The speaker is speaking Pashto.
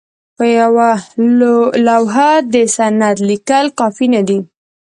په یوه لوحه د سند لیکل کافي نه دي.